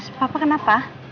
mas papa kenapa